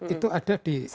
itu ada di pegawai